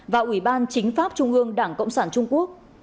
và ủy ban chính pháp trung ương đảng cộng sản trung quốc